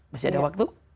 masih ada waktu